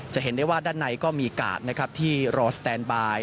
จะเห็นได้ว่าด้านในก็มีกาดนะครับที่รอสแตนบาย